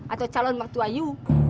atau calon maktua iu